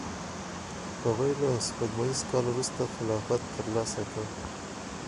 هغوی له سپوږمیز کال وروسته خلافت ترلاسه کړ.